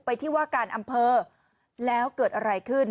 ไปไหนอ่ะเฮ้ยน้ำไปไหน